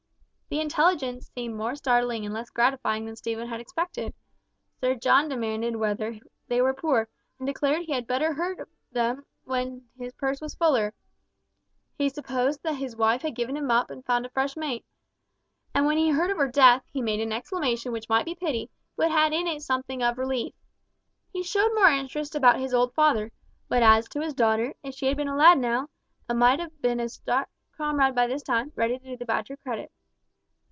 The intelligence seemed more startling and less gratifying than Stephen had expected. Sir John demanded whether they were poor, and declared that he had better have heard of them when his purse was fuller. He had supposed that his wife had given him up and found a fresh mate, and when he heard of her death, he made an exclamation which might be pity, but had in it something of relief. He showed more interest about his old father; but as to his daughter, if she had been a lad now, a' might have been a stout comrade by this time, ready to do the Badger credit.